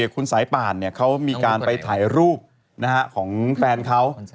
คุณสายป่านเขามีการไปถ่ายรูปของแฟนเขา